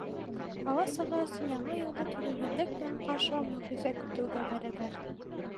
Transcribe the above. Бала-саға өсөн Яңы йылды түҙемһеҙлек менән ҡаршылау мөғжизә көтөүгә бәрәбәр.